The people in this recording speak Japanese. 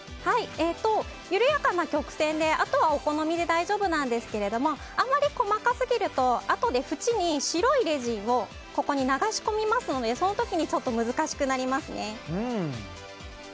緩やかな曲線であとはお好みで大丈夫なんですがあまり細かすぎるとあとで縁に白いレジンをここに流し込みますのでその時にちょっと難しくなります。